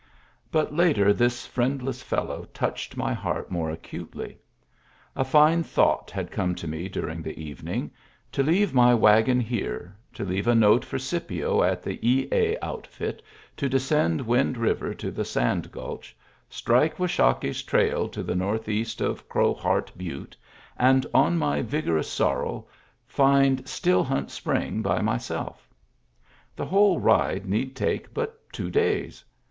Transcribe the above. But later this friendless fellow touched my heart more acutely. A fine thought had come to me during the evening : to leave my wagon here, to leave a note for Scipio at the E A outfit, to descend Wind River to the Sand Gulch, strike Washakie's trail to the northeast of Crow Heart Butte, and on my vigorous sorrel find Still Hunt Spring by myself. The whole ride need take but two days.